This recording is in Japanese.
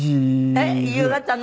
えっ夕方の？